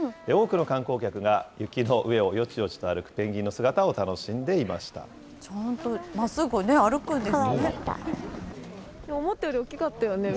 多くの観光客が雪の上をよちよちと歩くペンギンの姿を楽しんでいちゃんとまっすぐ歩くんです